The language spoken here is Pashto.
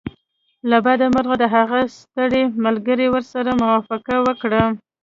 له بده مرغه د هغه ستړي ملګري ورسره موافقه وکړه